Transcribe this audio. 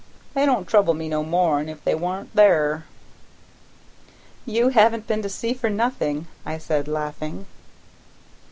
They don't trouble me no more'n if they wa'n't there." "You haven't been to sea for nothing," I said laughing.